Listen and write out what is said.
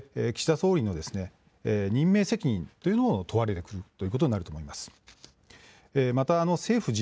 岸田総理の任命責任というのを問われてくるということになると思います。